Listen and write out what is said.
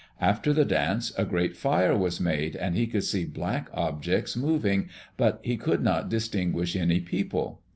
After the dance a great fire was made and he could see black objects moving, but he could not distinguish any people.